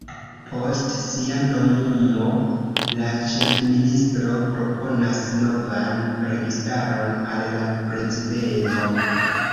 Post sia nomumo, la ĉefministro proponas novan registaron al la Prezidento.